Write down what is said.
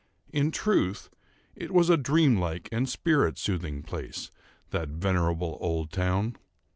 In truth, it was a dream like and spirit soothing place, that venerable old town.